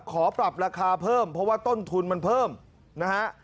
ขอปรับราคาเพิ่มเพราะว่าต้นทุนมันเพิ่มนะฮะ